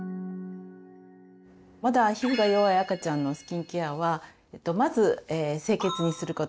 まだ皮膚が弱い赤ちゃんのスキンケアはまず清潔にすること。